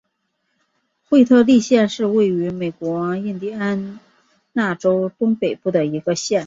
惠特利县是位于美国印第安纳州东北部的一个县。